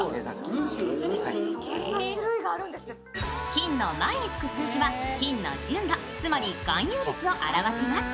金の前につく数字は金の純度、つまり含有率を表します。